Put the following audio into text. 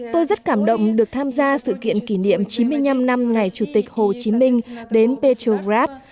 tôi rất cảm động được tham gia sự kiện kỷ niệm chín mươi năm năm ngày chủ tịch hồ chí minh đến petrograd